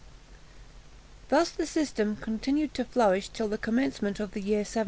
Thus the system continued to flourish till the commencement of the year 1720.